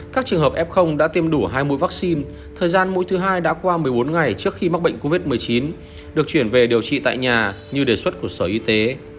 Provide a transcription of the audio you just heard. các trường hợp f đã tiêm đủ hai mũi vaccine thời gian mũi thứ hai đã qua một mươi bốn ngày trước khi mắc bệnh covid một mươi chín được chuyển về điều trị tại nhà như đề xuất của sở y tế